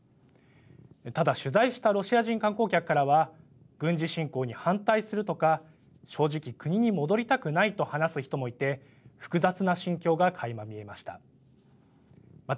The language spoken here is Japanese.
ただ、取材したロシア人観光客からは軍事侵攻に反対するとか正直、国に戻りたくないと話す人もいて複雑な心境がかいま見えました。